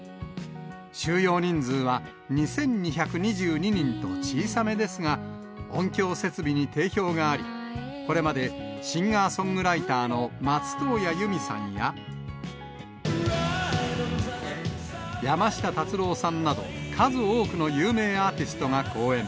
収容人数は２２２２人と小さめですが、音響設備に定評があり、これまでシンガーソングライターの松任谷由実さんや、山下達郎さんなど、数多くの有名アーティストが公演。